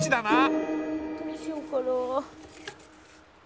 どうしようかな。